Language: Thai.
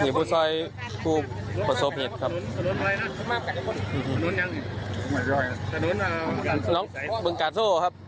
หญิงพูดซอยภูมิผสมผิดครับ